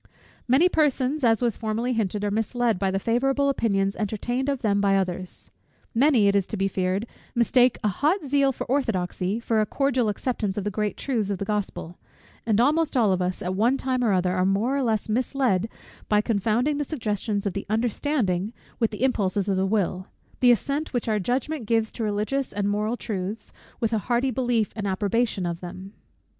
Many persons, as was formerly hinted, are misled by the favourable opinions entertained of them by others; many, it is to be feared, mistake a hot zeal for orthodoxy, for a cordial acceptance of the great truths of the Gospel; and almost all of us, at one time or other, are more or less misled by confounding the suggestions of the understanding with the impulses of the will, the assent which our judgment gives to religious and moral truths, with a hearty belief and approbation of them.